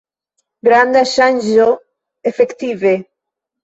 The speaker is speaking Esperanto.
Granda ŝanĝo, efektive.